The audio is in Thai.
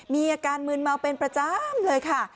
มีอาการมืนเมาเป็นประจำเลยค่ะ